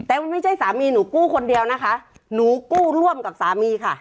แต่ไม่ใช่สามีหนูกู้คนเดียวนะคะหนูกู้ร่วมกับสามีค่ะ